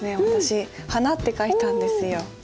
私「花」って書いたんですよ。